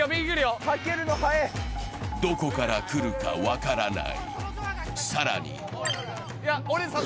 どこから来るか分からない。